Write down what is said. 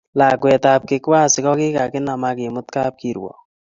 Lakwetab Kikwasi kokikakinam akemut kapkirwok